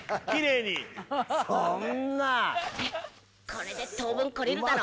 「これで当分懲りるだろう」